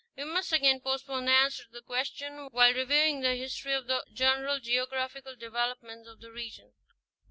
We must again postpone the answer to the question, while reviewing the history of the general geographical development of the region.